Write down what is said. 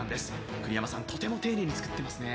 栗山さん、とても丁寧に作っていますよね。